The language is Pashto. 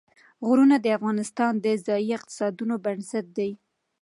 غرونه د افغانستان د ځایي اقتصادونو بنسټ دی.